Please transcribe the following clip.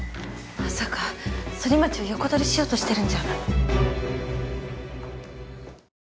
まさかソリマチを横取りしようとしてるんじゃ。